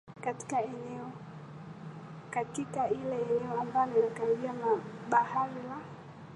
katika ile eneo ambalo inakaribia bahari laa